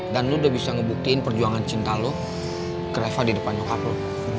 dan lo udah bisa ngebuktiin perjuangan cinta lo ke reva di depan nyokap lo